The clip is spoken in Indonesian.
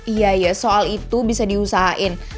iya iya soal itu bisa diusahain